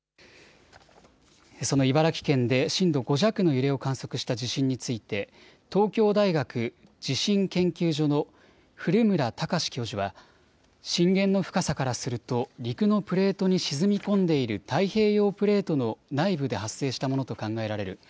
その茨城県で震度５弱の揺れを観測した地震について東京大学地震研究所の古村孝志教授は震源の深さからすると陸のプレートに沈み込んでいる太平洋プレートの内部で発生したものと考えられる。